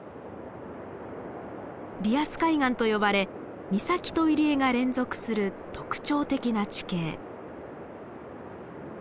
リアス海岸と呼ばれ岬と入り江が連続する特徴的な地形。